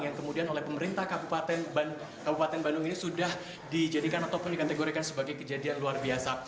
yang kemudian oleh pemerintah kabupaten bandung ini sudah dijadikan ataupun dikategorikan sebagai kejadian luar biasa